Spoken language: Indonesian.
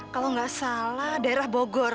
kalau nggak salah daerah bogor